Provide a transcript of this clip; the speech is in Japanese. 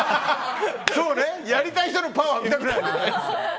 そうね、やりたい人のパワー！は見たくないよね。